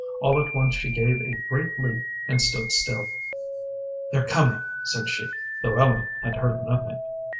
All at once she gave a great leap and stood still. "They're coming," said she, though Ellen had heard nothing.